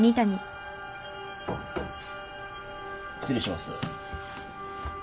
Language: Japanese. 失礼します。